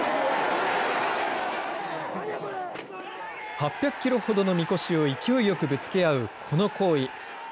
８００キロほどのみこしを勢いよくぶつけ合う、この行為。